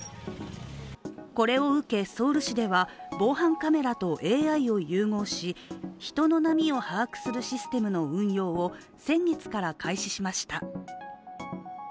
これを受け、ソウル市では防犯カメラとＡＩを融合し人の波を把握するシステムの運用を先月から開始しました。